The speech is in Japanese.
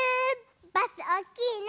バスおっきいね。